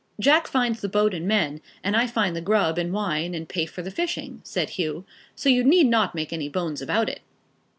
"Jack finds the boat and men, and I find the grub and wine, and pay for the fishing," said Hugh; "so you need not make any bones about it."